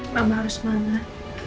mama harus semangat